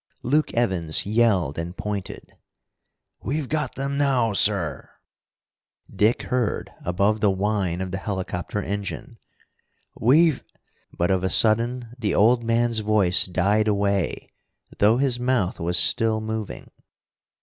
Luke Evans yelled and pointed. "We've got them now, sir!" Dick heard above the whine of the helicopter engine. "We've " But of a sudden the old man's voice died away, though his mouth was still moving.